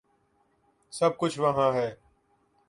سب کچھ وہاں ہے۔